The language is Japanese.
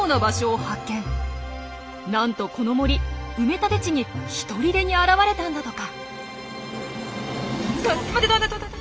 なんとこの森埋め立て地にひとりでに現れたんだとか。